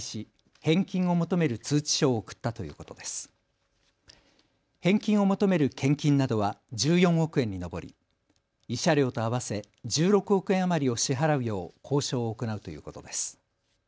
返金を求める献金などは１４億円に上り慰謝料と合わせ１６億円余りを支払うよう交渉を行うということです。